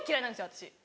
私。